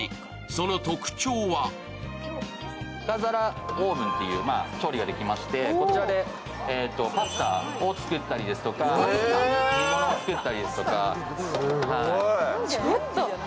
その特徴は皿オーブンという調理ができましてこちらでパスタを作ったりですとか煮物を作ったりですとか。